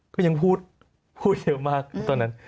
ก็ยังพูดพูดเยอะมากตอนนั้น